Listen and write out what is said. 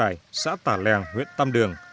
bản phìn ngăn xin trải xã tả leng huyện tam đường